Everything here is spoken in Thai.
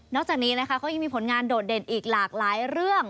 จากนี้นะคะก็ยังมีผลงานโดดเด่นอีกหลากหลายเรื่อง